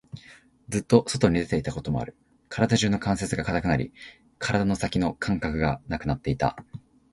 ずっと外に出ていたこともある。体中の関節が堅くなり、体の先の感覚がなくなっていた。